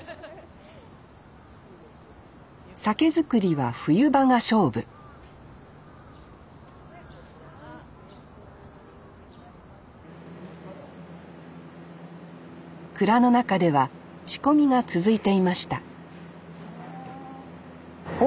酒造りは冬場が勝負蔵の中では仕込みが続いていましたあ。